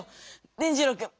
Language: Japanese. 伝じろうくん。